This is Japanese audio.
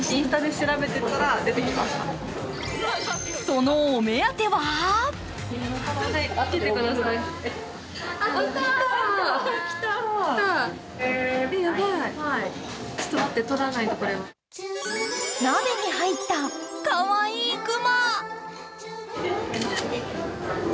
そのお目当ては鍋に入ったかわいい熊。